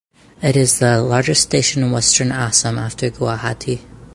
It is the largest station in Western Assam after Guwahati.